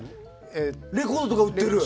レコードとか売ってる？